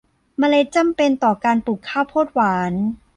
เมล็ดจำเป็นต่อการปลูกข้าวโพดหวาน